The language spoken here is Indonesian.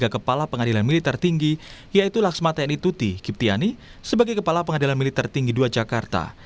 tiga kepala pengadilan militer tinggi yaitu laksma tni tuti kiptiani sebagai kepala pengadilan militer tinggi dua jakarta